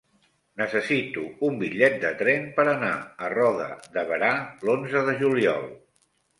Necessito un bitllet de tren per anar a Roda de Berà l'onze de juliol.